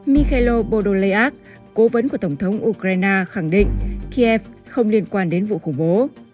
mikhail podolyak cố vấn của tổng thống ukraine khẳng định kiev không liên quan đến vụ khủng bố